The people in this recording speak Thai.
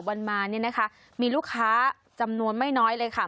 ๒๓วันมามีลูกค้าจำนวนไม่น้อยเลยค่ะ